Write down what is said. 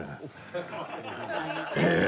え？